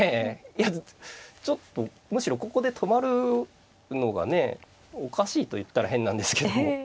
いやちょっとむしろここで止まるのがねおかしいと言ったら変なんですけども。